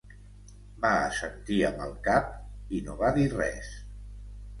Va assentir amb el cap i no va dir res.